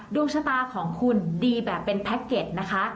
ดวงชะตาของคุณดีแบบเป็นแพ็คเก็ตนะคะ